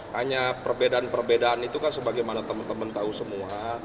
hanya perbedaan perbedaan itu kan sebagaimana teman teman tahu semua